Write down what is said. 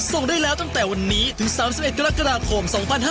ส่งได้แล้วตั้งแต่วันนี้ถึง๓๑กรกฎาคม๒๕๕๙